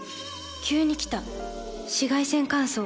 急に来た紫外線乾燥。